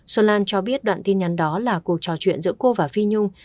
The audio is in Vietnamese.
xuân lan cho biết đoạn tin nhắn đó là cuộc trò chuyện giữa cô và phi nhung